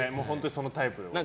そのタイプ。